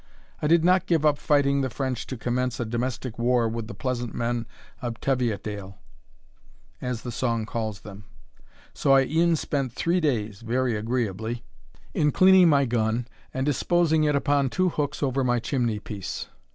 I did not give up fighting the French to commence a domestic war with the "pleasant men of Teviotdale," as the song calls them; so I e'en spent three days (very agreeably) in cleaning my gun, and disposing it upon two hooks over my chimney piece.